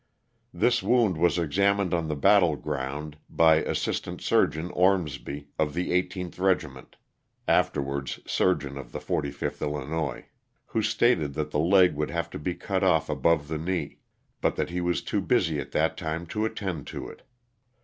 This wound was examined on the battle ground by Asst. Surg. Ormsby of the 18th regiment (afterwards surgeon of the 45th Illinois), who stated that the leg would have to be cut off above the knee, but that he was too busy at that time to attend to it.